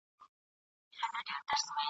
شاته هیڅ څوک نه سي تللای دا قانون دی !.